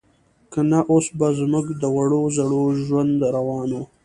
که نه اوس به زموږ د وړو زړو ژوند روان و.